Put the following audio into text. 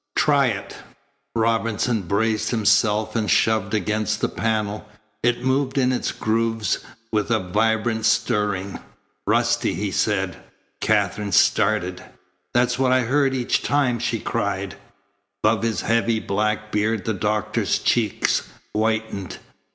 Try it." Robinson braced himself and shoved against the panel. It moved in its grooves with a vibrant stirring. "Rusty," he said. Katherine started. "That's what I heard each time," she cried. Above his heavy black beard the doctor's cheeks whitened.